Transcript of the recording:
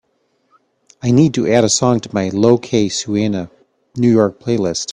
I need to add a song to my lo que suena new york playlist.